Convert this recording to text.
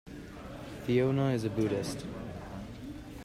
Fiona is a Buddhist.